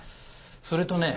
それとね